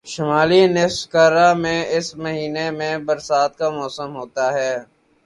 شمالی نصف کرہ میں اس مہینے میں برسات کا موسم ہوتا ہے